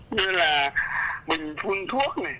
như là mình phun thuốc này